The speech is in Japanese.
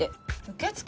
受付？